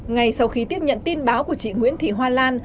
ngay sau khi tiếp nhận tin báo của chị nguyễn thị hoa lan